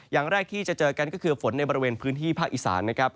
อย่างแรกที่จะเจอกันก็คือฝนในบริเวณพื้นที่ภาคอีสานนะครับ